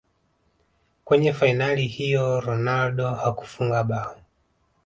kwenye fainali hiyo ronaldo hakufunga bao